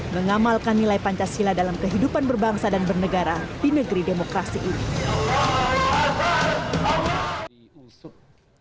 mengamalkan nilai pancasila dalam kehidupan berbangsa dan bernegara di negeri demokrasi ini